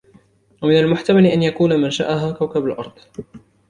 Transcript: ومن المحتمل أن يكون منشأها كوكب الأرض